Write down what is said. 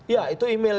ya itu email